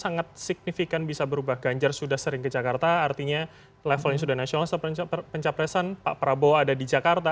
jadi itu kan sangat signifikan bisa berubah ganjar sudah sering ke jakarta artinya levelnya sudah nasional setelah pencapresan pak prabowo ada di jakarta